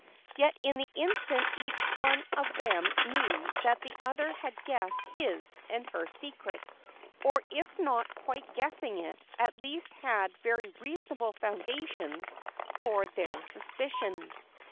Yet in the instant each one of them knew that the other had guessed his and her secret, or if not quite guessing it, at least had very reasonable foundations for their suspicion.